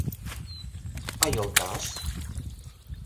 — А йолташ?